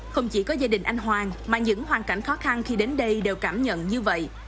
không chỉ có gia đình anh hoàng mà những hoàn cảnh khó khăn khi đến đây đều cảm nhận như vậy